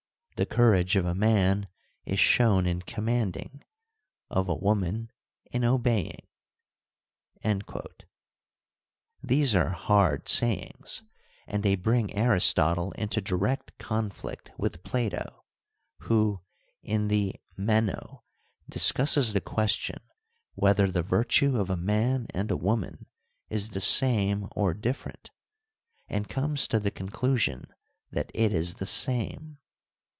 the courage of a man is shown in command ing, of a woman in obeying. These are hard sayings, and they bring Aristotle into direct conflict with Plato, who, in the Meno, discusses the question whether the virtue of a man and a woman is the same or different, and comes to the conclusion that it is the same.